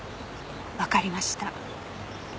わかりました。